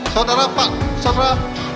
saudara pak saudara